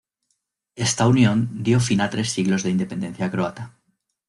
Esta unión dio fin a tres siglos de independencia croata.